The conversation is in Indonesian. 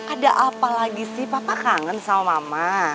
ada apa lagi sih papa kangen sama mama